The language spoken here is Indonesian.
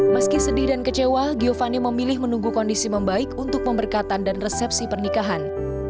meski sedih dan kecewa giovanni memilih menunggu kondisi membaik untuk pemberkatan dan resepsi pernikahan